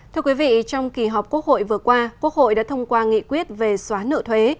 thưa quý vị trong kỳ họp quốc hội vừa qua quốc hội đã thông qua nghị quyết về xóa nợ thuế